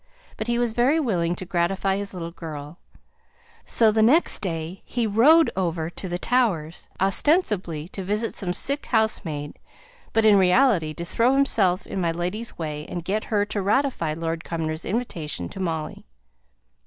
But he was very willing to gratify his little girl; so the next day he rode over to the Towers, ostensibly to visit some sick housemaid, but, in reality, to throw himself in my lady's way, and get her to ratify Lord Cumnor's invitation to Molly.